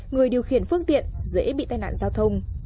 người điều khiển phương tiện dễ bị tai nạn giao thông